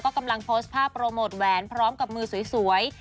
กำลังโพสต์ภาพโปรโมทแหวนพร้อมกับมือสวย